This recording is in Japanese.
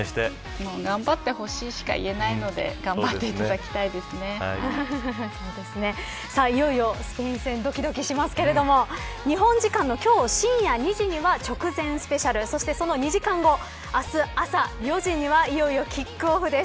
頑張ってほしいしか言えないのでいよいよスペイン戦どきどきしますが日本時間の今日深夜２時には直前スペシャルそしてその２時間後明日朝４時にはいよいよキックオフです。